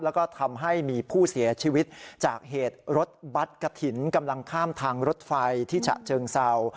แล้วก็ทำให้มีผู้เสียชีวิตจากเหตุรถบัตรกระถิ่นกำลังข้ามทางรถไฟที่ฉะเชิงเศร้า